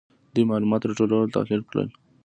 دوی معلومات راټول او تحلیل کړل.